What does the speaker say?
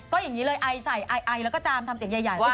ก็อย่างนี้เลยไอใส่ไอไอแล้วก็จามทำเสียงใหญ่